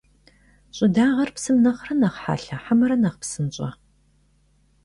ЩӀыдагъэр псым нэхърэ нэхъ хьэлъэ хьэмэрэ нэхъ псынщӀэ?